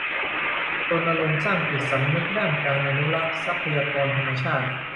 รณรงค์สร้างจิตสำนึกด้านการอนุรักษ์ทรัพยากรธรรมชาติ